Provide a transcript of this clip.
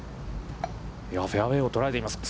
フェアウェイを捉えています。